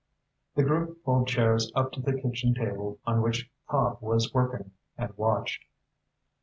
The group pulled chairs up to the kitchen table on which Cobb was working, and watched.